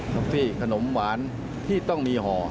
ฟี่ขนมหวานที่ต้องมีห่อ